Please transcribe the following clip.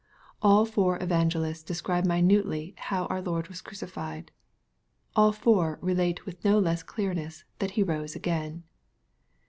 All four evangelists describe minutely how our Lord was crucified. All four relate with no less clearness, that He rose again.